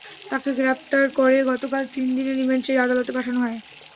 তাঁকে গ্রেপ্তার করে গতকাল তিন দিনের রিমান্ড চেয়ে আদালতে পাঠানো হয়।